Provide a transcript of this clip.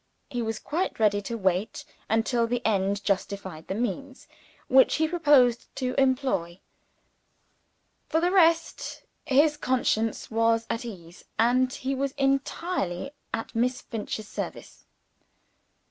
He was quite ready to wait, until the end justified the means which he proposed to employ. For the rest, his conscience was at ease; and he was entirely at Miss Finch's service. Mr.